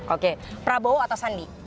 oke prabowo atau sandi